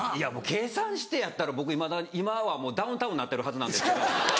計算してやったら僕今はもうダウンタウンになってるはず。